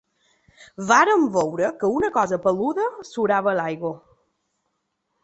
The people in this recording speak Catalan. Vàrem veure que una cosa peluda surava a l’aigua.